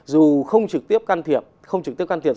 dù không trực tiếp can thiệp không trực tiếp can thiệp